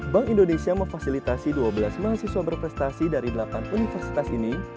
bank indonesia memfasilitasi dua belas mahasiswa berprestasi dari delapan universitas ini